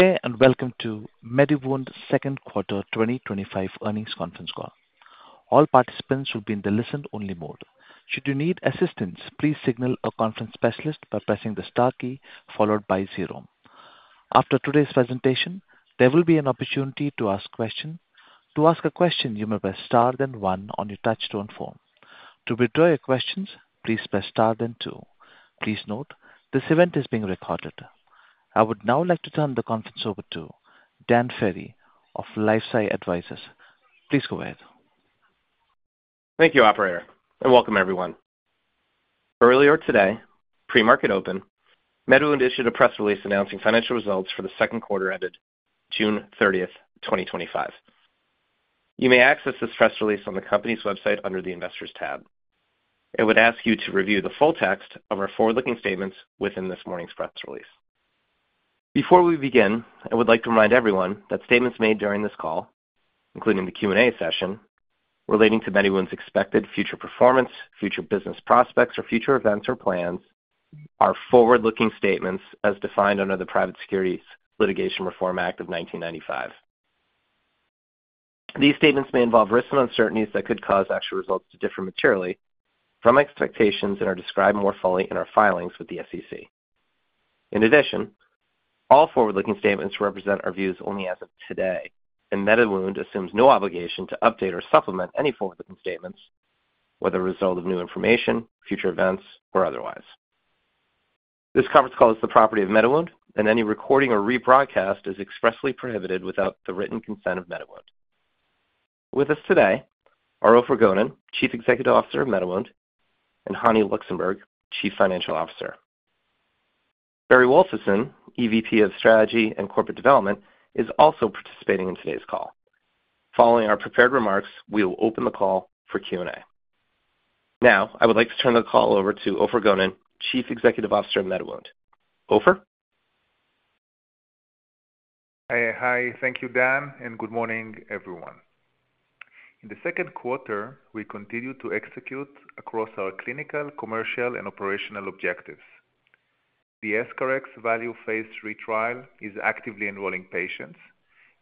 Welcome to MediWound's second quarter 2025 earnings conference call. All participants will be in the listen-only mode. Should you need assistance, please signal a conference specialist by pressing the star key followed by zero. After today's presentation, there will be an opportunity to ask questions. To ask a question, you may press star, then one on your touch-tone phone. To withdraw your questions, please press star, then two. Please note this event is being recorded. I would now like to turn the conference over to Dan Ferry of LifeSci Advisors. Please go ahead. Thank you, operator, and welcome everyone. Earlier today, pre-market open, MediWound issued a press release announcing financial results for the second quarter ended June 30, 2025. You may access this press release on the company's website under the Investors tab. I would ask you to review the full text of our forward-looking statements within this morning's press release. Before we begin, I would like to remind everyone that statements made during this call, including the Q&A session, relating to MediWound's expected future performance, future business prospects, or future events or plans, are forward-looking statements as defined under the Private Securities Litigation Reform Act of 1995. These statements may involve risks and uncertainties that could cause actual results to differ materially from expectations and are described more fully in our filings with the SEC. In addition, all forward-looking statements represent our views only as of today, and MediWound assumes no obligation to update or supplement any forward-looking statements, whether as a result of new information, future events, or otherwise. This conference call is the property of MediWound, and any recording or rebroadcast is expressly prohibited without the written consent of MediWound. With us today are Ofer Gonen, Chief Executive Officer of MediWound, and Hani Luxenburg, Chief Financial Officer. Barry Wolfenson, EVP of Strategy and Corporate Development, is also participating in today's call. Following our prepared remarks, we will open the call for Q&A. Now, I would like to turn the call over to Ofer Gonen, Chief Executive Officer of MediWound. Ofer? Hi, thank you, Dan, and good morning everyone. In the second quarter, we continue to execute across our clinical, commercial, and operational objectives. The S-CoreX value phase retrial is actively enrolling patients,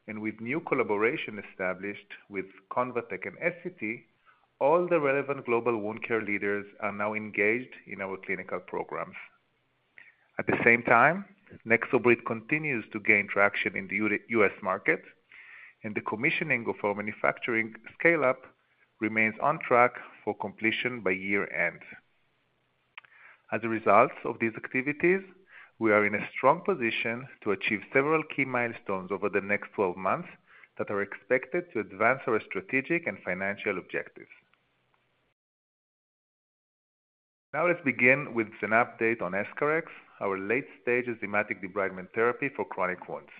and with new collaboration established with ConvaTec and STT, all the relevant global wound care leaders are now engaged in our clinical programs. At the same time, NexoBrid continues to gain traction in the U.S. market, and the commissioning of our manufacturing scale-up remains on track for completion by year-end. As a result of these activities, we are in a strong position to achieve several key milestones over the next 12 months that are expected to advance our strategic and financial objectives. Now let's begin with an update on S-CoreX, our late-stage enzymatic debridement therapy for chronic wounds.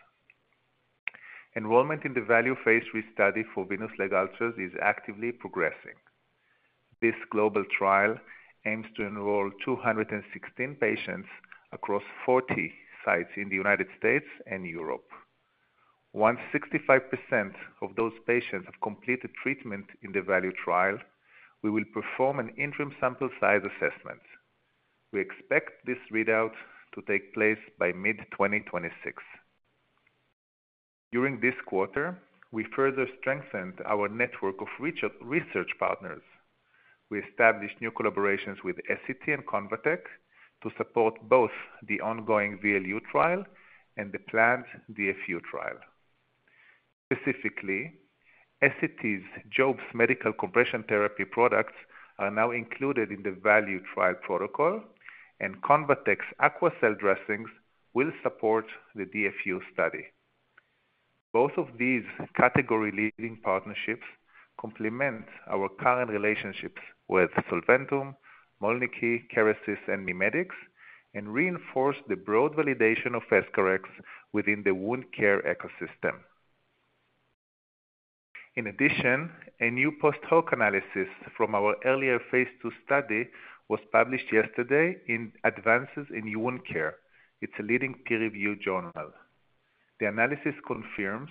Enrollment in the value phase restudy for venous leg ulcers is actively progressing. This global trial aims to enroll 216 patients across 40 sites in the U.S. and Europe. Once 65% of those patients have completed treatment in the value trial, we will perform an interim sample size assessment. We expect this readout to take place by mid-2026. During this quarter, we further strengthened our network of research partners. We established new collaborations with STT and ConvaTec to support both the ongoing VLU trial and the planned DFU trial. Specifically, STT's Jobst medical compression therapy products are now included in the value trial protocol, and ConvaTec's Aquacell dressings will support the DFU study. Both of these category-leading partnerships complement our current relationships with Solventum, Mölnlycke, Kerasis, and MiMedx, and reinforce the broad validation of S-CoreX within the wound care ecosystem. In addition, a new post-hoc analysis from our earlier phase two study was published yesterday in Advances in Wound Care. It's a leading peer-reviewed journal. The analysis confirms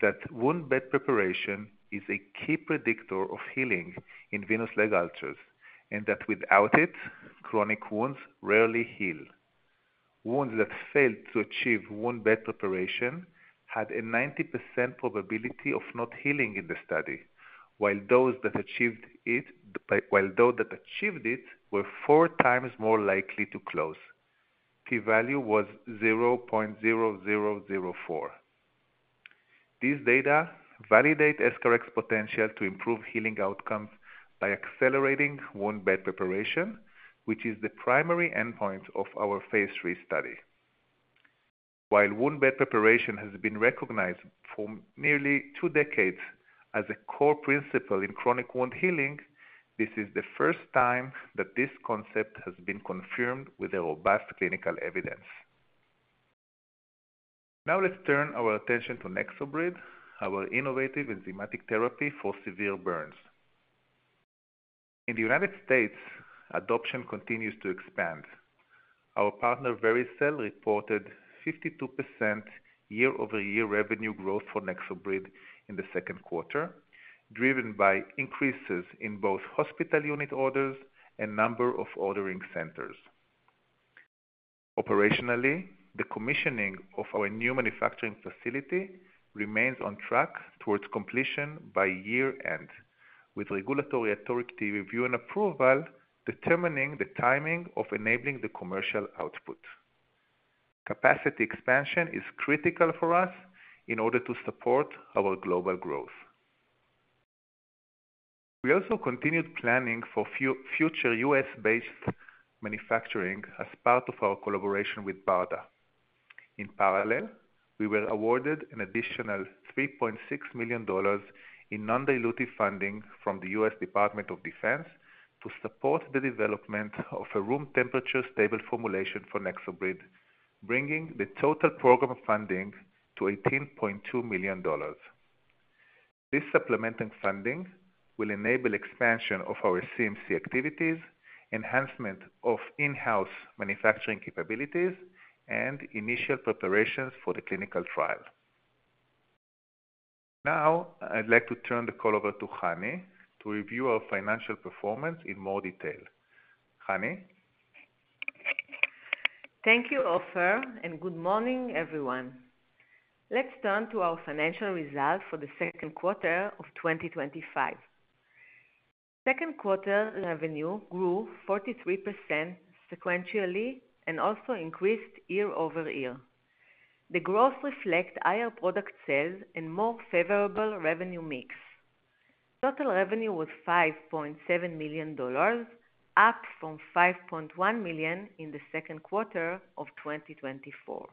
that wound bed preparation is a key predictor of healing in venous leg ulcers, and that without it, chronic wounds rarely heal. Wounds that failed to achieve wound bed preparation had a 90% probability of not healing in the study, while those that achieved it were four times more likely to close. P-value was 0.0004. These data validate S-CoreX's potential to improve healing outcomes by accelerating wound bed preparation, which is the primary endpoint of our phase three study. While wound bed preparation has been recognized for nearly two decades as a core principle in chronic wound healing, this is the first time that this concept has been confirmed with robust clinical evidence. Now let's turn our attention to NexoBrid, our innovative enzymatic therapy for severe burns. In the U.S., adoption continues to expand. Our partner Vericell reported 52% year-over-year revenue growth for NexoBrid in the second quarter, driven by increases in both hospital unit orders and number of ordering centers. Operationally, the commissioning of our new manufacturing facility remains on track towards completion by year-end, with regulatory authority review and approval determining the timing of enabling the commercial output. Capacity expansion is critical for us in order to support our global growth. We also continued planning for future U.S.-based manufacturing as part of our collaboration with BARDA. In parallel, we were awarded an additional $3.6 million in non-dilutive funding from the U.S. Department of Defense to support the development of a room temperature stable formulation for NexoBrid, bringing the total program funding to $18.2 million. This supplemental funding will enable expansion of our CMC activities, enhancement of in-house manufacturing capabilities, and initial preparations for the clinical trial. Now, I'd like to turn the call over to Hani to review our financial performance in more detail. Hani? Thank you, Ofer, and good morning, everyone. Let's turn to our financial results for the second quarter of 2025. Second quarter revenue grew 43% sequentially and also increased year over year. The growth reflects higher product sales and a more favorable revenue mix. Total revenue was $5.7 million, up from $5.1 million in the second quarter of 2024.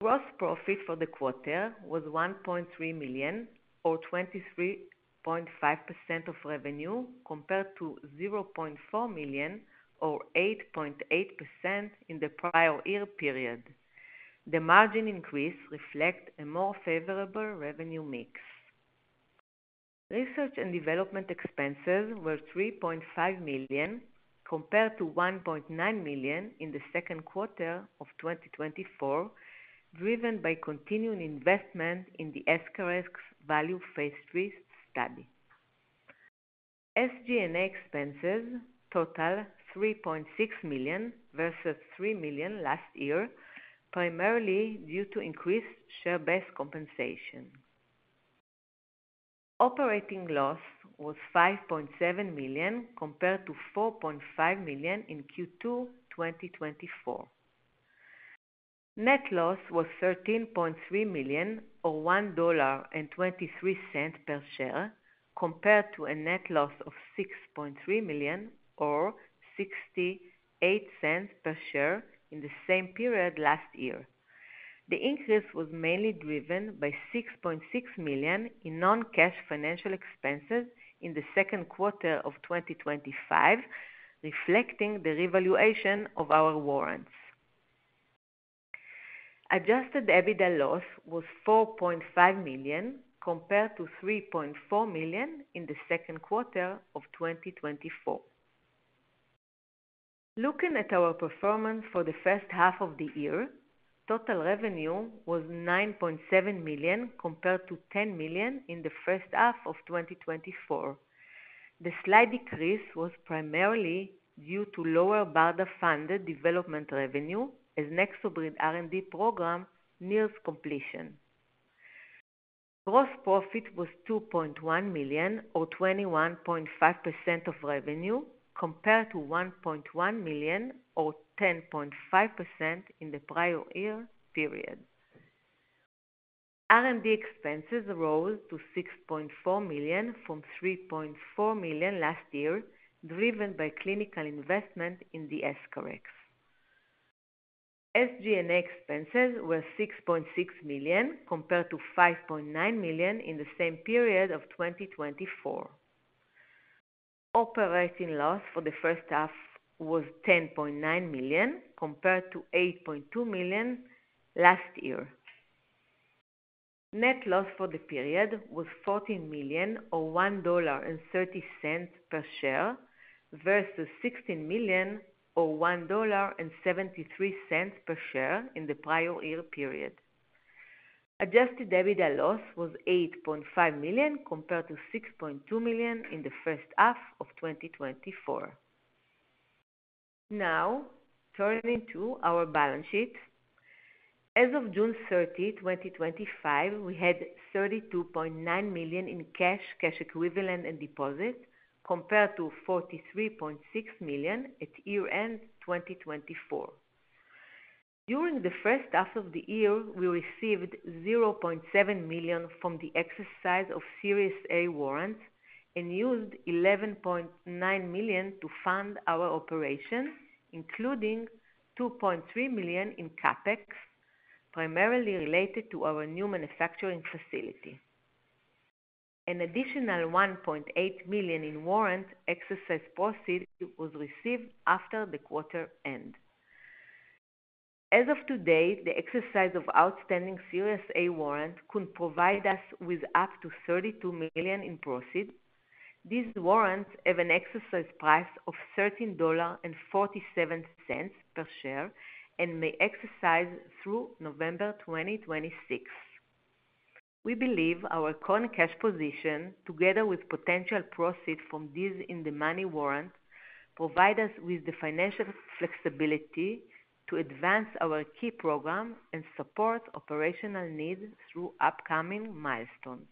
Gross profit for the quarter was $1.3 million, or 23.5% of revenue, compared to $0.4 million, or 8.8% in the prior year period. The margin increase reflects a more favorable revenue mix. Research and development expenses were $3.5 million compared to $1.9 million in the second quarter of 2024, driven by continuing investment in the S-CoreX value phase three study. SG&A expenses totaled $3.6 million versus $3 million last year, primarily due to increased share-based compensation. Operating loss was $5.7 million compared to $4.5 million in Q2 2024. Net loss was $13.3 million, or $1.23 per share, compared to a net loss of $6.3 million, or $0.68 per share in the same period last year. The increase was mainly driven by $6.6 million in non-cash financial expenses in the second quarter of 2025, reflecting the revaluation of our warrants. Adjusted EBITDA loss was $4.5 million compared to $3.4 million in the second quarter of 2024. Looking at our performance for the first half of the year, total revenue was $9.7 million compared to $10 million in the first half of 2024. The slight decrease was primarily due to lower BARDA-funded development revenue as NexoBrid R&D program nears completion. Gross profit was $2.1 million, or 21.5% of revenue, compared to $1.1 million, or 10.5% in the prior year period. R&D expenses rose to $6.4 million from $3.4 million last year, driven by clinical investment in the S-CoreX. SG&A expenses were $6.6 million compared to $5.9 million in the same period of 2024. Operating loss for the first half was $10.9 million compared to $8.2 million last year. Net loss for the period was $14 million, or $1.30 per share, versus $16 million, or $1.73 per share in the prior year period. Adjusted EBITDA loss was $8.5 million compared to $6.2 million in the first half of 2024. Now, turning to our balance sheet. As of June 30, 2025, we had $32.9 million in cash, cash equivalents, and deposits compared to $43.6 million at year-end 2024. During the first half of the year, we received $0.7 million from the exercise of Series A warrants and used $11.9 million to fund our operation, including $2.3 million in CapEx, primarily related to our new manufacturing facility. An additional $1.8 million in warrant exercise proceeds was received after the quarter end. As of today, the exercise of outstanding Series A warrants could provide us with up to $32 million in proceeds. These warrants have an exercise price of $13.47 per share and may exercise through November 2026. We believe our current cash position, together with potential proceeds from these in-the-money warrants, provides us with the financial flexibility to advance our key program and support operational needs through upcoming milestones.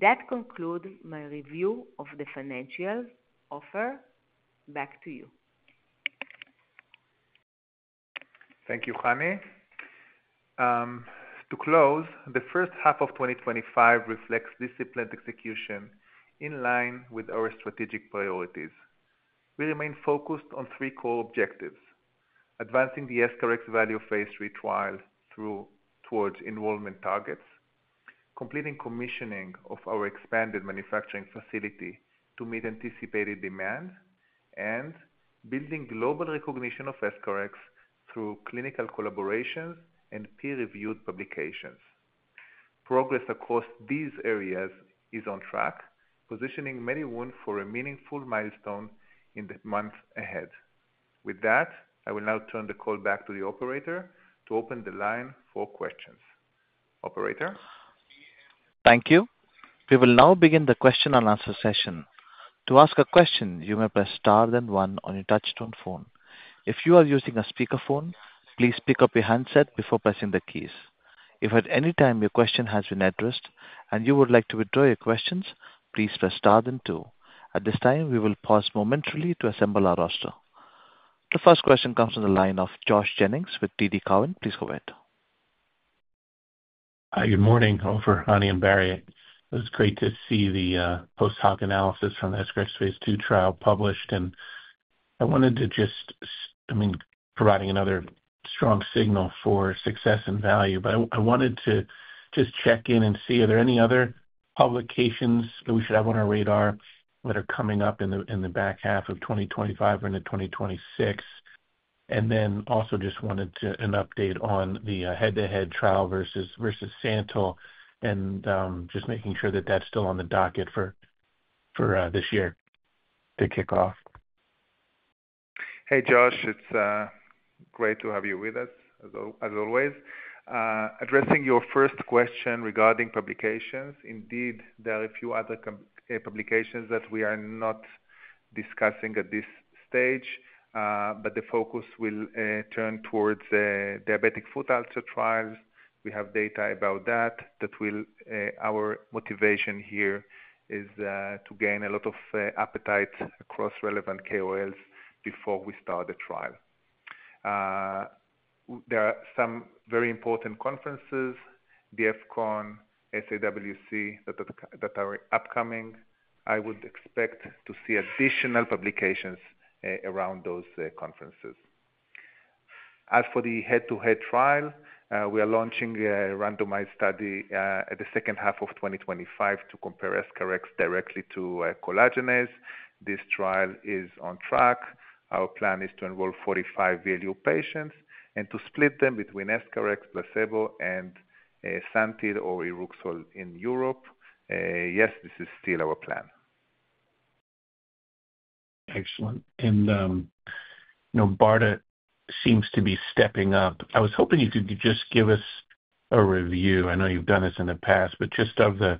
That concludes my review of the financials. Ofer, back to you. Thank you, Hani. To close, the first half of 2025 reflects disciplined execution in line with our strategic priorities. We remain focused on three core objectives: advancing the S-CoreX value phase retrial towards enrollment targets, completing commissioning of our expanded manufacturing facility to meet anticipated demand, and building global recognition of S-CoreX through clinical collaborations and peer-reviewed publications. Progress across these areas is on track, positioning MediWound for a meaningful milestone in the months ahead. With that, I will now turn the call back to the operator to open the line for questions. Operator? Thank you. We will now begin the question-and-answer session. To ask a question, you may press star then one on your touch-tone phone. If you are using a speakerphone, please pick up your handset before pressing the keys. If at any time your question has been addressed and you would like to withdraw your question, please press star then two. At this time, we will pause momentarily to assemble our roster. The first question comes from the line of Josh Jennings with TD Cowen. Please go ahead. Hi, good morning, Ofer, Hani, and Barry. It was great to see the post-hoc analysis from S-CoreX phase two trial published, and I wanted to just, I mean, providing another strong signal for success and value. I wanted to just check in and see, are there any other publications that we should have on our radar that are coming up in the back half of 2025 or into 2026? I also just wanted an update on the head-to-head trial versus Santyl and just making sure that that's still on the docket for this year to kick off. Hey, Josh, it's great to have you with us as always. Addressing your first question regarding publications, indeed, there are a few other publications that we are not discussing at this stage, but the focus will turn towards the diabetic foot ulcer trials. We have data about that. Our motivation here is to gain a lot of appetite across relevant KOLs before we start the trial. There are some very important conferences, DF-Con, SAWC, that are upcoming. I would expect to see additional publications around those conferences. As for the head-to-head trial, we are launching a randomized study at the second half of 2025 to compare S-CoreX directly to collagenase. This trial is on track. Our plan is to enroll 45 value patients and to split them between S-CoreX, placebo, and Santyl or Iruxol in Europe. Yes, this is still our plan. Excellent. BARDA seems to be stepping up. I was hoping you could just give us a review. I know you've done this in the past, but just of the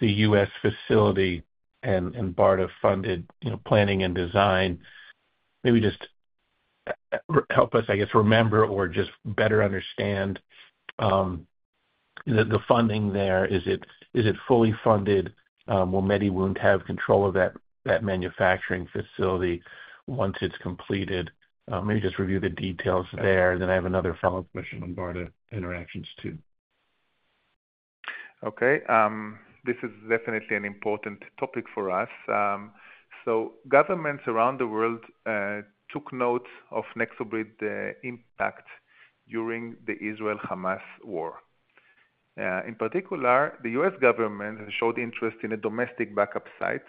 U.S. facility and BARDA-funded planning and design. Maybe just help us, I guess, remember or just better understand the funding there. Is it fully funded? Will MediWound have control of that manufacturing facility once it's completed? Maybe just review the details there. I have another follow-up question on BARDA interactions too. Okay. This is definitely an important topic for us. Governments around the world took note of NexoBrid's impact during the Israel-Hamas war. In particular, the U.S. government showed interest in a domestic backup site.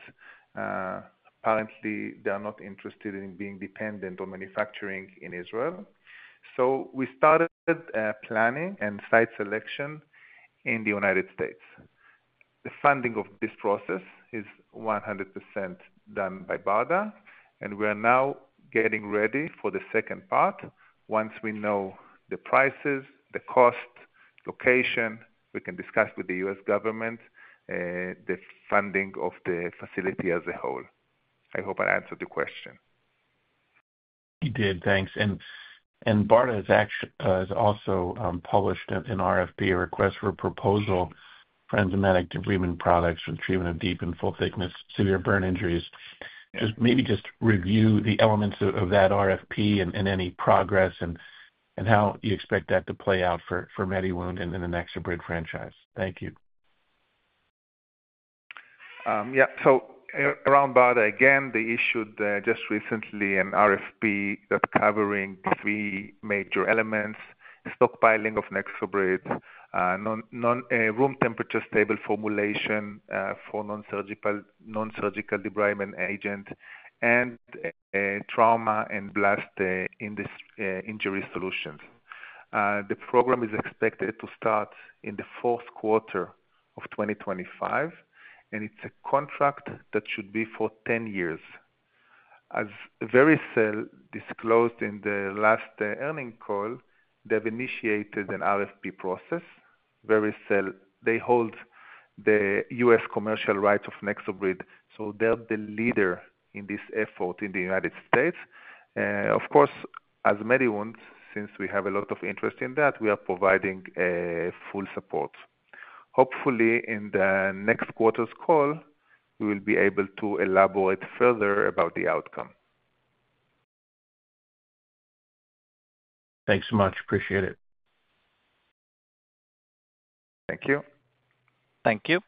Apparently, they are not interested in being dependent on manufacturing in Israel. We started planning and site selection in the United States. The funding of this process is 100% done by BARDA, and we are now getting ready for the second part. Once we know the prices, the cost, location, we can discuss with the U.S. government the funding of the facility as a whole. I hope I answered the question. You did. Thanks. BARDA has also published an RFP, a request for a proposal for enzymatic debridement products for treatment of deep and full-thickness severe burn injuries. Maybe just review the elements of that RFP and any progress and how you expect that to play out for MediWound and the NexoBrid franchise. Thank you. Yeah. Around BARDA, again, they issued just recently an RFP that's covering three major elements: stockpiling of NexoBrid, room temperature stable formulation for non-surgical debridement agent, and trauma and blast injury solutions. The program is expected to start in the fourth quarter of 2025, and it's a contract that should be for 10 years. As Vericell disclosed in the last earnings call, they have initiated an RFP process. Vericell, they hold the U.S. commercial rights of NexoBrid, so they're the leader in this effort in the United States. Of course, as MediWound, since we have a lot of interest in that, we are providing full support. Hopefully, in the next quarter's call, we will be able to elaborate further about the outcome. Thanks so much. Appreciate it. Thank you. Thank you.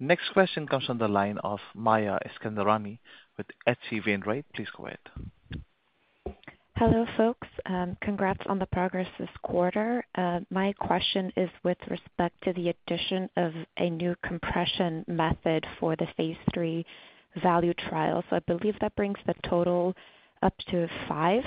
Next question comes from the line of Maya Iskandarani with H.C. Wainwright & Co. Please go ahead. Hello, folks. Congrats on the progress this quarter. My question is with respect to the addition of a new compression method for the phase three VALUE trial. I believe that brings the total up to five.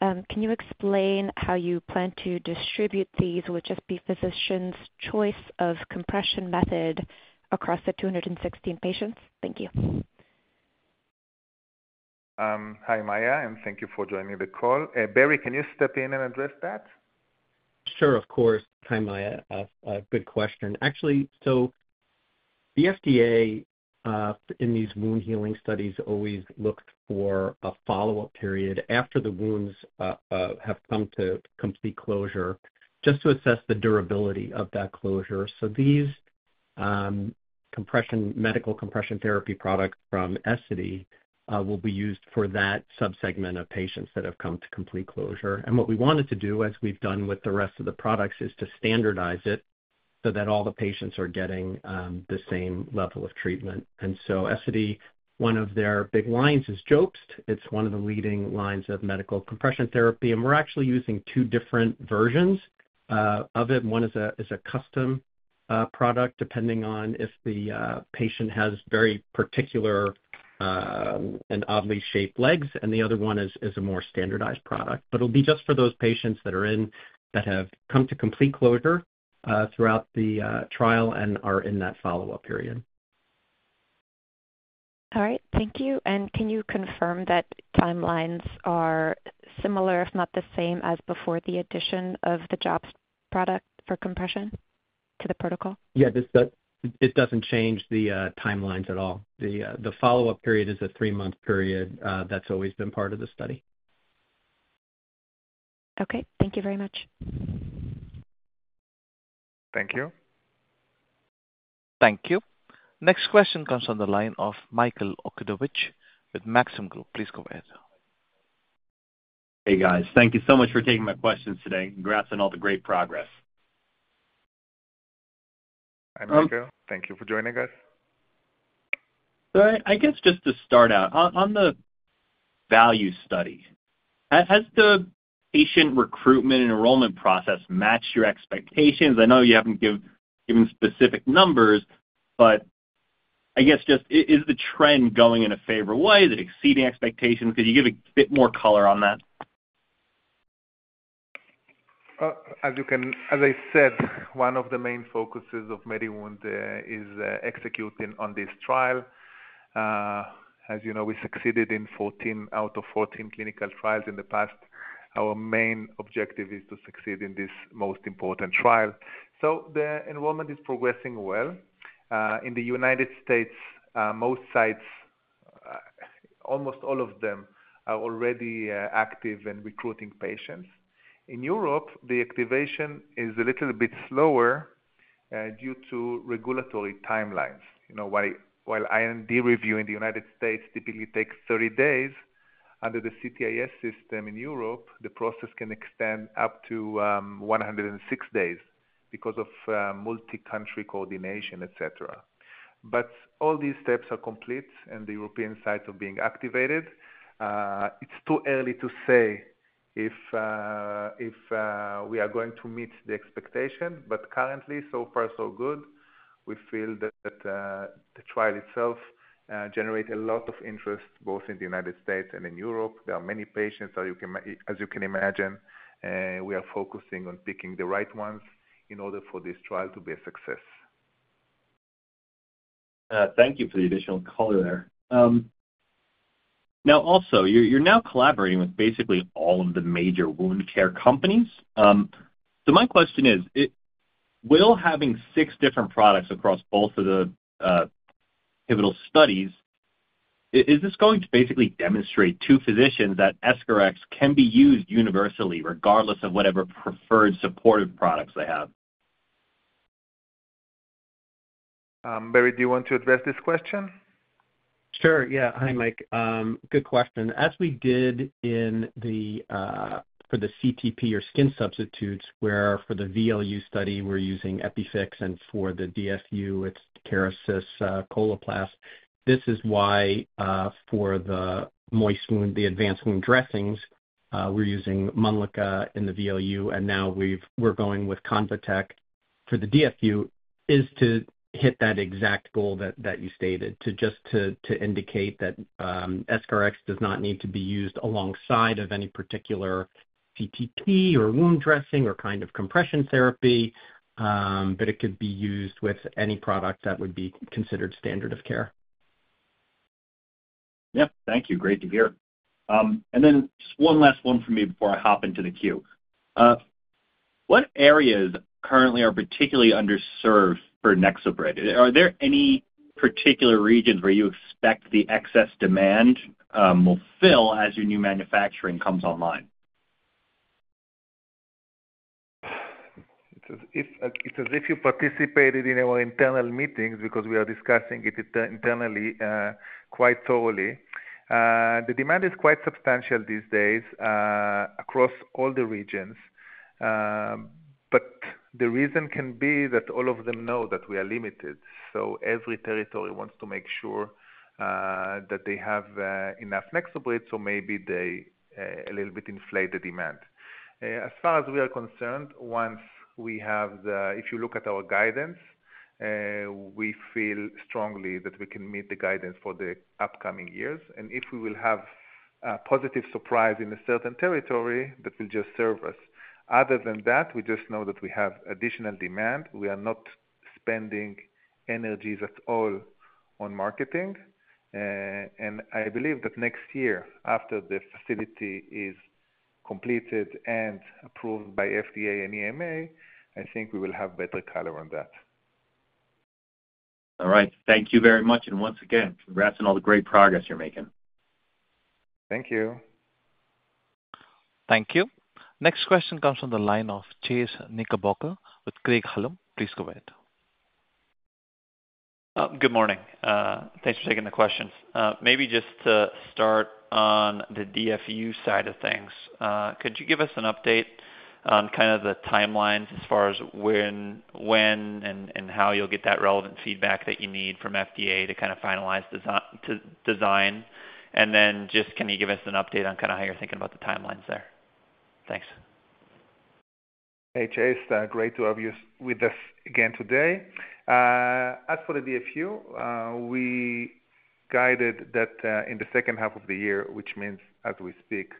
Can you explain how you plan to distribute these? Would it just be physicians' choice of compression method across the 216 patients? Thank you. Hi, Maya, and thank you for joining the call. Barry, can you step in and address that? Sure, of course. Hi, Maya. Good question. Actually, the FDA in these wound healing studies always looked for a follow-up period after the wounds have come to complete closure just to assess the durability of that closure. These medical compression therapy products from Essity will be used for that subsegment of patients that have come to complete closure. What we wanted to do, as we've done with the rest of the products, is to standardize it so that all the patients are getting the same level of treatment. Essity, one of their big lines is Jobst. It's one of the leading lines of medical compression therapy. We're actually using two different versions of it. One is a custom product depending on if the patient has very particular and oddly shaped legs, and the other one is a more standardized product. It'll be just for those patients that are in that have come to complete closure throughout the trial and are in that follow-up period. All right. Thank you. Can you confirm that timelines are similar, if not the same, as before the addition of the Jobst product for compression to the protocol? Yeah, it doesn't change the timelines at all. The follow-up period is a three-month period that's always been part of the study. Okay, thank you very much. Thank you. Thank you. Next question comes from the line of Michael Okunewitch with Maxim Group. Please go ahead. Hey, guys. Thank you so much for taking my questions today. Congrats on all the great progress. Hi, Michael. Thank you for joining us. Just to start out, on the value study, has the patient recruitment and enrollment process matched your expectations? I know you haven't given specific numbers, but is the trend going in a favorable way? Is it exceeding expectations? Could you give a bit more color on that? As I said, one of the main focuses of MediWound is executing on this trial. As you know, we succeeded in 14/14 clinical trials in the past. Our main objective is to succeed in this most important trial. The enrollment is progressing well. In the U.S., most sites, almost all of them, are already active and recruiting patients. In Europe, the activation is a little bit slower due to regulatory timelines. While IND review in the U.S. typically takes 30 days, under the CTIS system in Europe, the process can extend up to 106 days because of multi-country coordination, etc. All these steps are complete and the European sites are being activated. It's too early to say if we are going to meet the expectation, but currently, so far, so good. We feel that the trial itself generates a lot of interest both in the U.S. and in Europe. There are many patients, as you can imagine, and we are focusing on picking the right ones in order for this trial to be a success. Thank you for the additional color there. Now, also, you're now collaborating with basically all of the major wound care companies. My question is, will having six different products across both of the pivotal studies, is this going to basically demonstrate to physicians that S-CoreX can be used universally regardless of whatever preferred supportive products they have? Barry, do you want to address this question? Sure. Yeah. Hi, Mike. Good question. As we did for the CTP or skin substitutes, where for the VLU study, we're using EpiFix, and for the DFU, it's Kerasis, Coloplast. This is why for the moist wound, the advanced wound dressings, we're using Mölnlycke in the VLU, and now we're going with ConvaTec for the DFU, to hit that exact goal that you stated, to just indicate that S-CoreX does not need to be used alongside any particular CTP or wound dressing or kind of compression therapy, but it could be used with any product that would be considered standard of care. Yeah. Thank you. Great to hear. One last one for me before I hop into the queue. What areas currently are particularly underserved for NexoBrid? Are there any particular regions where you expect the excess demand will fill as your new manufacturing comes online? It's as if you participated in our internal meetings because we are discussing it internally quite thoroughly. The demand is quite substantial these days across all the regions. The reason can be that all of them know that we are limited. Every territory wants to make sure that they have enough NexoBrid, so maybe they a little bit inflate the demand. As far as we are concerned, if you look at our guidance, we feel strongly that we can meet the guidance for the upcoming years. If we will have a positive surprise in a certain territory, that will just serve us. Other than that, we just know that we have additional demand. We are not spending energies at all on marketing. I believe that next year, after the facility is completed and approved by FDA and EMA, I think we will have better color on that. All right. Thank you very much. Once again, congrats on all the great progress you're making. Thank you. Thank you. Next question comes from the line of Chase Knickerbocker with Craig-Hallum Capital Group. Please go ahead. Good morning. Thanks for taking the questions. Maybe just to start on the DFU side of things, could you give us an update on the timelines as far as when and how you'll get that relevant feedback that you need from FDA to finalize the design? Could you give us an update on how you're thinking about the timelines there? Thanks. Hey, Chase. Great to have you with us again today. As for the DFU, we guided that in the second half of the year, which means, as we speak,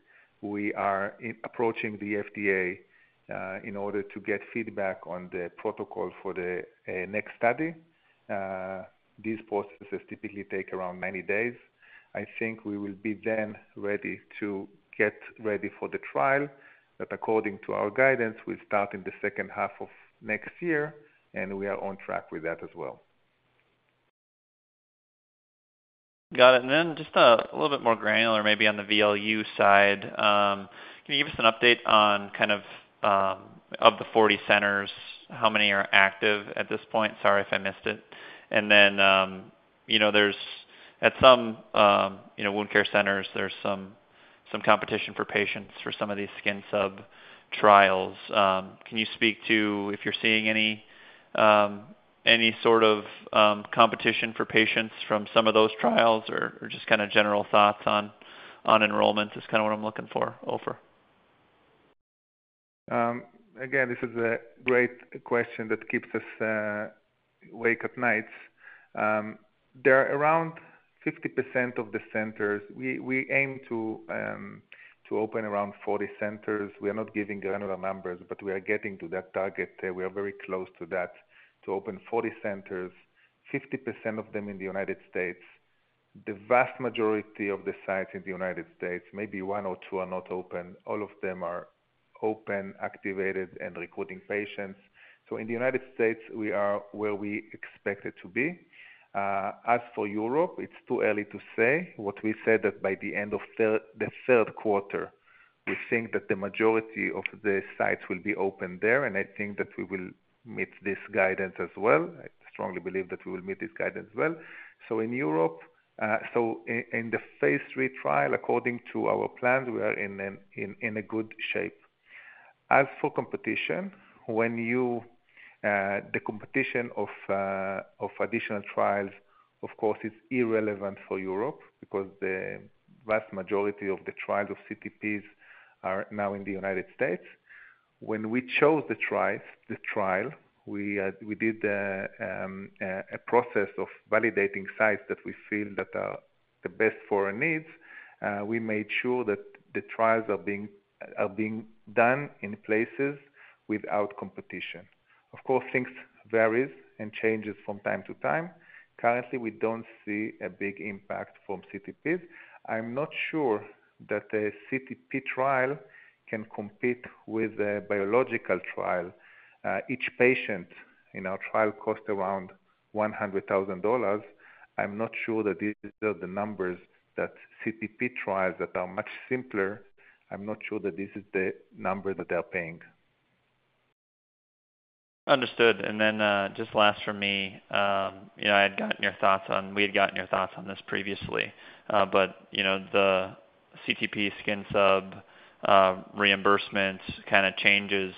we are approaching the FDA in order to get feedback on the protocol for the next study. These processes typically take around 90 days. I think we will then be ready to get ready for the trial. According to our guidance, we start in the second half of next year, and we are on track with that as well. Got it. Just a little bit more granular, maybe on the VLU side, can you give us an update on, of the 40 centers, how many are active at this point? Sorry if I missed it. At some wound care centers, there's some competition for patients for some of these skin sub-trials. Can you speak to if you're seeing any sort of competition for patients from some of those trials or just general thoughts on enrollments is kind of what I'm looking for, Ofer? Again, this is a great question that keeps us awake at night. There are around 50% of the centers. We aim to open around 40 centers. We are not giving general numbers, but we are getting to that target. We are very close to that, to open 40 centers, 50% of them in the U.S. The vast majority of the sites in the U.S., maybe one or two are not open. All of them are open, activated, and recruiting patients. In the U.S., we are where we expect it to be. As for Europe, it's too early to say. What we said is that by the end of the third quarter, we think that the majority of the sites will be open there, and I think that we will meet this guidance as well. I strongly believe that we will meet this guidance as well. In Europe, in the phase three trial, according to our plans, we are in a good shape. As for competition, when you look at the competition of additional trials, of course, it is irrelevant for Europe because the vast majority of the trials of CTPs are now in the U.S. When we chose the trial, we did a process of validating sites that we feel are the best for our needs. We made sure that the trials are being done in places without competition. Of course, things vary and change from time to time. Currently, we don't see a big impact from CTPs. I'm not sure that a CTP trial can compete with a biological trial. Each patient in our trial costs around $100,000. I'm not sure that these are the numbers that CTP trials that are much simpler. I'm not sure that this is the number that they're paying. Understood. Just last for me, I had gotten your thoughts on, we had gotten your thoughts on this previously, but the CTP skin sub reimbursement kind of changes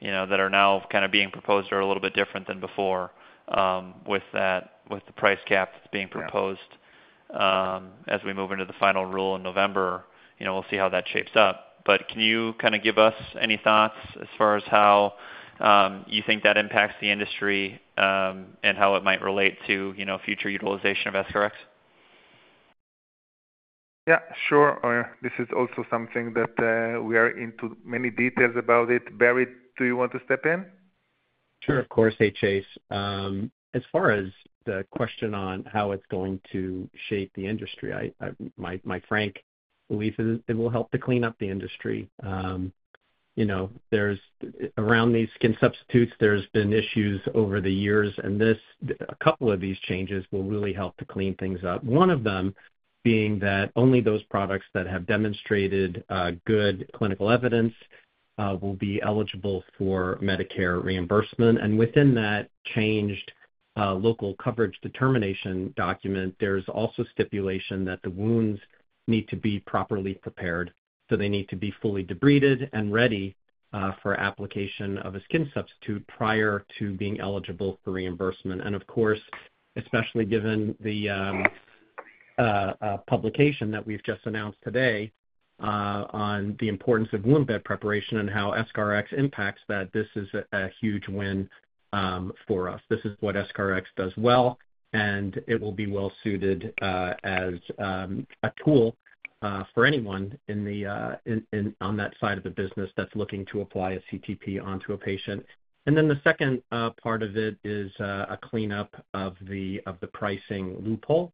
that are now being proposed are a little bit different than before with the price cap that's being proposed. As we move into the final rule in November, we'll see how that shapes up. Can you give us any thoughts as far as how you think that impacts the industry and how it might relate to future utilization of S-CoreX? Yeah, sure. This is also something that we are into many details about. Barry, do you want to step in? Sure, of course, hey Chase. As far as the question on how it's going to shape the industry, my frank belief is it will help to clean up the industry. You know, around these skin substitutes, there's been issues over the years, and a couple of these changes will really help to clean things up. One of them being that only those products that have demonstrated good clinical evidence will be eligible for Medicare reimbursement. Within that changed local coverage determination document, there's also stipulation that the wounds need to be properly prepared. They need to be fully debrided and ready for application of a skin substitute prior to being eligible for reimbursement. Of course, especially given the publication that we've just announced today on the importance of wound bed preparation and how S-CoreX impacts that, this is a huge win for us. This is what S-CoreX does well, and it will be well-suited as a tool for anyone on that side of the business that's looking to apply a CTP onto a patient. The second part of it is a cleanup of the pricing loophole,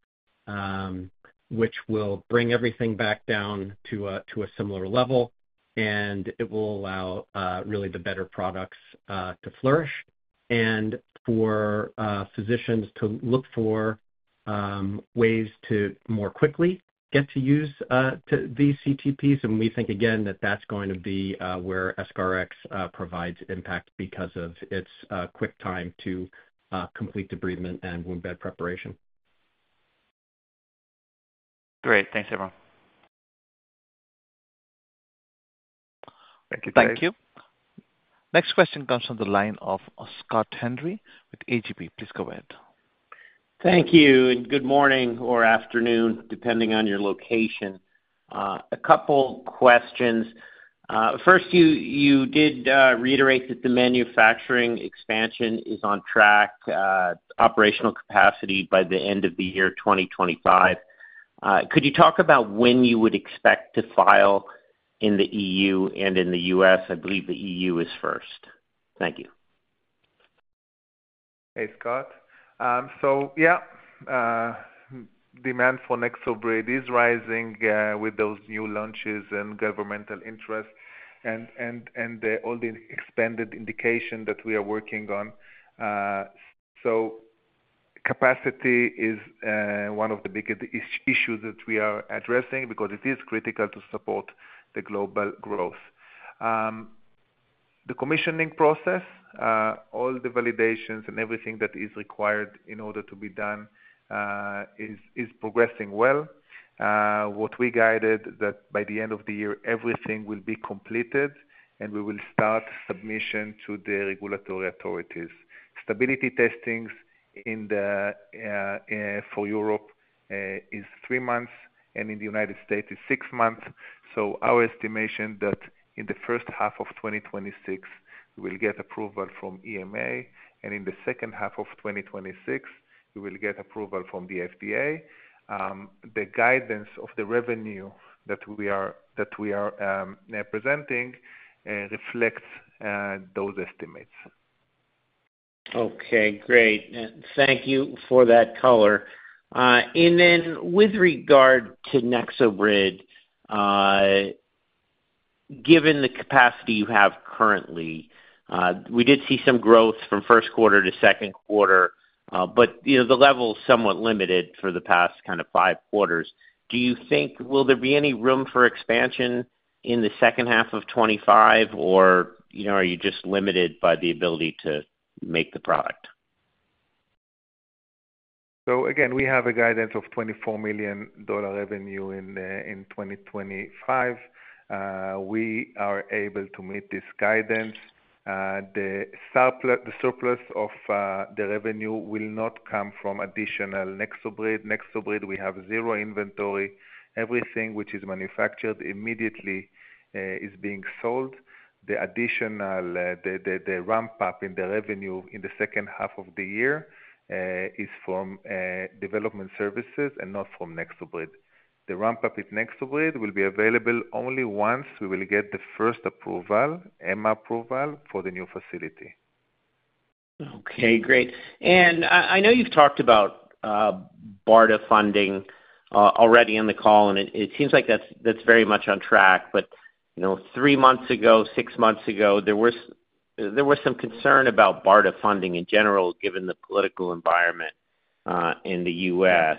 which will bring everything back down to a similar level, and it will allow really the better products to flourish and for physicians to look for ways to more quickly get to use these CTPs. We think, again, that that's going to be where S-CoreX provides impact because of its quick time to complete debridement and wound bed preparation. Great. Thanks, everyone. Thank you. Thank you. Next question comes from the line of Scott Henry with Alliance Global Partners. Please go ahead. Thank you. Good morning or afternoon, depending on your location. A couple questions. First, you did reiterate that the manufacturing expansion is on track, operational capacity by the end of the year 2025. Could you talk about when you would expect to file in the EU and in the U.S.? I believe the EU is first. Thank you. Hey, Scott. Yeah, demand for NexoBrid is rising with those new launches and governmental interests and all the expanded indication that we are working on. Capacity is one of the biggest issues that we are addressing because it is critical to support the global growth. The commissioning process, all the validations and everything that is required in order to be done is progressing well. What we guided is that by the end of the year, everything will be completed and we will start submission to the regulatory authorities. Stability testing for Europe is three months and in the U.S. is six months. Our estimation is that in the first half of 2026, we will get approval from EMA, and in the second half of 2026, we will get approval from the FDA. The guidance of the revenue that we are presenting reflects those estimates. Okay, great. Thank you for that color. With regard to NexoBrid, given the capacity you have currently, we did see some growth from first quarter to second quarter, but the level is somewhat limited for the past kind of five quarters. Do you think there will be any room for expansion in the second half of 2025, or are you just limited by the ability to make the product? We have a guidance of $24 million revenue in 2025. We are able to meet this guidance. The surplus of the revenue will not come from additional NexoBrid. NexoBrid, we have zero inventory. Everything which is manufactured immediately is being sold. The additional ramp-up in the revenue in the second half of the year is from development services and not from NexoBrid. The ramp-up in NexoBrid will be available only once we will get the first approval, M approval, for the new facility. Okay, great. I know you've talked about BARDA funding already on the call, and it seems like that's very much on track. Three months ago, six months ago, there was some concern about BARDA funding in general, given the political environment in the U.S.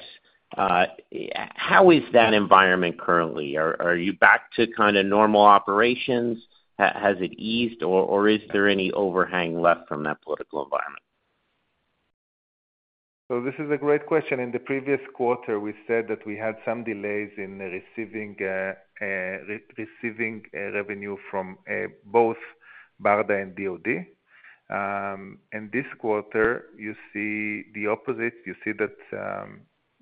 How is that environment currently? Are you back to kind of normal operations? Has it eased, or is there any overhang left from that political environment? This is a great question. In the previous quarter, we said that we had some delays in receiving revenue from both BARDA and the Department of Defense. This quarter, you see the opposite. You see that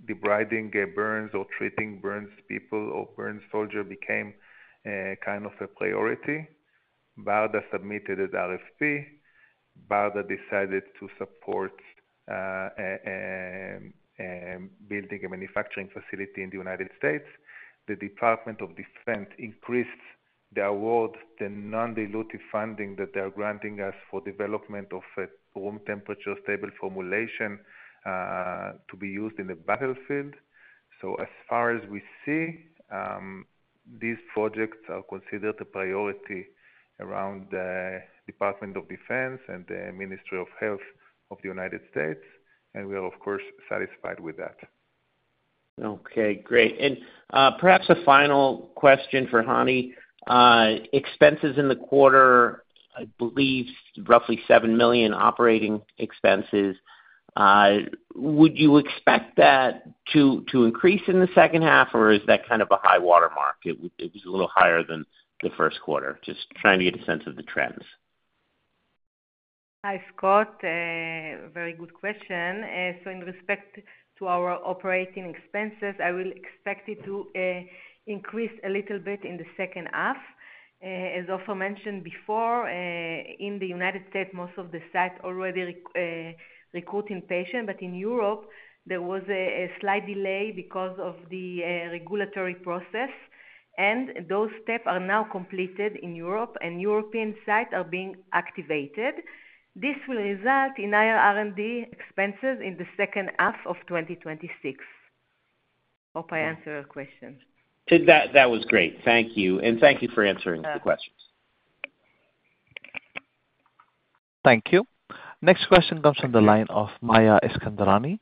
debriding burns or treating burns people or burns soldiers became kind of a priority. BARDA submitted an RFP. BARDA decided to support building a manufacturing facility in the U.S. The Department of Defense increased the award, the non-dilutive funding that they are granting us for the development of a room temperature stable formulation to be used in the battlefield. As far as we see, these projects are considered a priority around the Department of Defense and the Ministry of Health of the United States, and we are, of course, satisfied with that. Okay, great. Perhaps a final question for Hani. Expenses in the quarter, I believe roughly $7 million operating expenses. Would you expect that to increase in the second half, or is that kind of a high-water mark? It was a little higher than the first quarter. Just trying to get a sense of the trends. Hi, Scott. Very good question. In respect to our operating expenses, I will expect it to increase a little bit in the second half. As Ofer mentioned before, in the U.S., most of the sites are already recruiting patients, but in Europe, there was a slight delay because of the regulatory process. Those steps are now completed in Europe, and European sites are being activated. This will result in higher R&D expenses in the second half of 2026. Hope I answered your question. That was great. Thank you. Thank you for answering the questions. Thank you. Next question comes from the line of Maya Iskandarani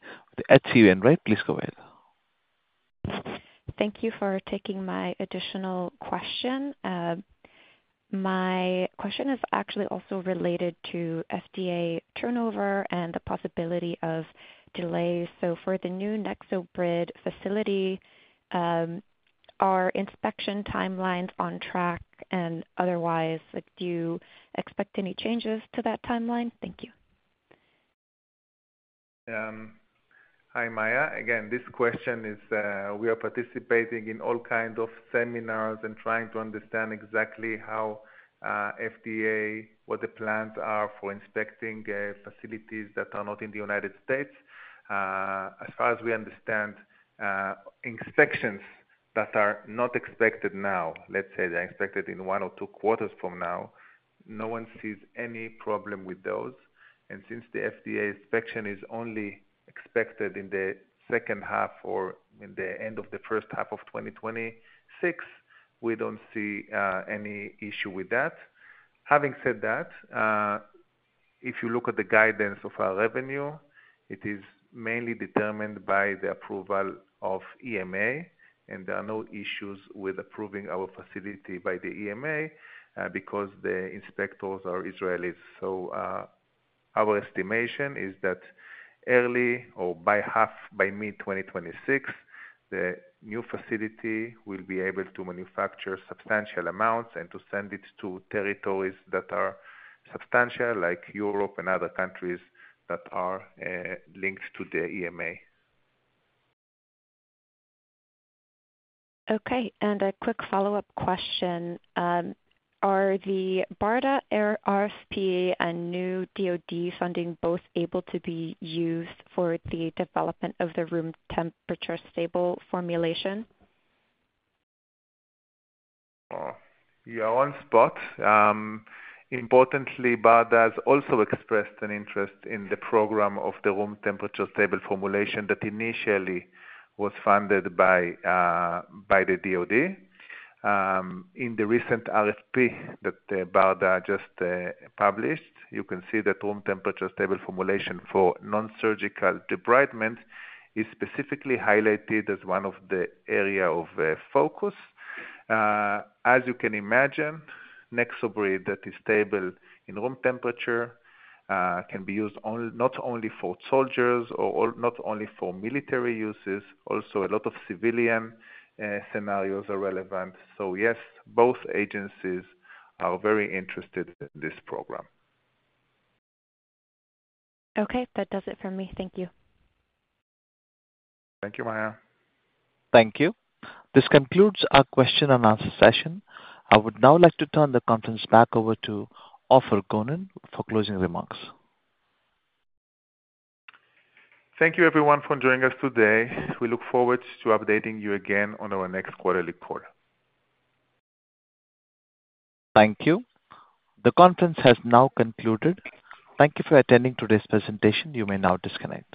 at H.C. Wainwright & Co. Please go ahead. Thank you for taking my additional question. My question is actually also related to FDA turnover and the possibility of delays. For the new NexoBrid facility, are inspection timelines on track, and otherwise, do you expect any changes to that timeline? Thank you. Hi, Maya. Again, this question is we are participating in all kinds of seminars and trying to understand exactly how FDA, what the plans are for inspecting facilities that are not in the U.S. As far as we understand, inspections that are not expected now, let's say they're expected in one or two quarters from now, no one sees any problem with those. Since the FDA inspection is only expected in the second half or in the end of the first half of 2026, we don't see any issue with that. Having said that, if you look at the guidance of our revenue, it is mainly determined by the approval of EMA, and there are no issues with approving our facility by the EMA because the inspectors are Israelis. Our estimation is that early or by mid-2026, the new facility will be able to manufacture substantial amounts and to send it to territories that are substantial, like Europe and other countries that are linked to the EMA. Okay. A quick follow-up question. Are the BARDA RFP and new Department of Defense funding both able to be used for the development of the room temperature stable formulation? You're on spot. Importantly, BARDA has also expressed an interest in the program of the room temperature stable formulation that initially was funded by the Department of Defense. In the recent RFP that BARDA just published, you can see that room temperature stable formulation for non-surgical debridement is specifically highlighted as one of the areas of focus. As you can imagine, Nexobrid that is stable in room temperature can be used not only for soldiers or not only for military uses. Also, a lot of civilian scenarios are relevant. Yes, both agencies are very interested in this program. Okay, that does it for me. Thank you. Thank you, Maya. Thank you. This concludes our question-and-answer session. I would now like to turn the conference back over to Ofer Gonen for closing remarks. Thank you, everyone, for joining us today. We look forward to updating you again on our next quarterly call. Thank you. The conference has now concluded. Thank you for attending today's presentation. You may now disconnect.